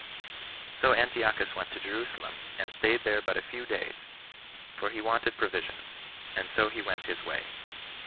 So Antiochus went to Jerusalem, and staid there but a few days, for he wanted provisions, and so he went his way.